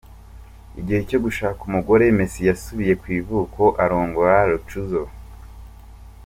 Igihe cyo gushaka umugore Messi yasubiye ku ivuko arongora Roccuzzo.